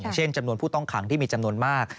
เช่นจำนวนผู้ต้องขังที่มีจำนวนมาก